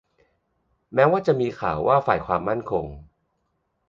แม้ว่าจะมีข่าวว่าฝ่ายความมั่นคง